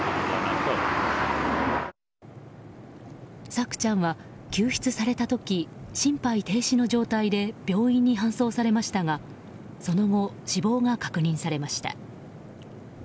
朔ちゃんは救出された時心肺停止の状態で病院に搬送されましたがその後、死亡が確認されました。